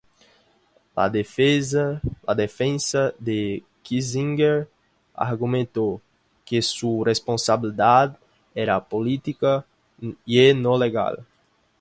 La defensa de Kissinger argumentó que su responsabilidad era política y no legal.